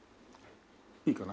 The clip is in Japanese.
いいかな？